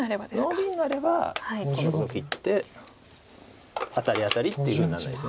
ノビになれば今度こそ切ってアタリアタリっていうふうにならないです。